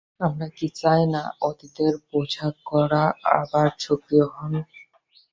আমরা কি চাই না, অতীতের প্রশাসকরা আবার সক্রিয় হোন?